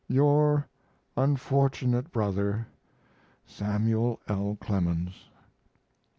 Your unfortunate brother, SAML. L. CLEMENS.